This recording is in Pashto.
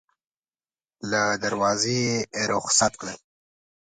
له دروازې یې رخصت کړل.